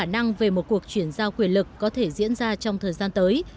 khả năng về một cuộc chuyển giao quyền lực có thể diễn ra trong thời gian tới